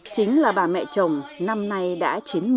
chính là bà mẹ chồng năm nay đã chín mươi